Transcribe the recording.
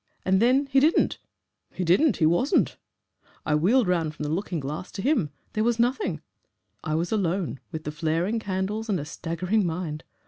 And then he didn't! He didn't! He wasn't! I wheeled round from the looking glass to him. There was nothing, I was alone, with the flaring candles and a staggering mind.